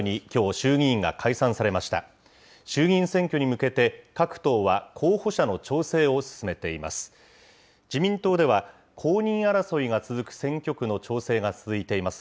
衆議院選挙に向けて、各党は候補者の調整を進めています。